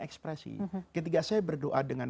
ekspresi ketika saya berdoa dengan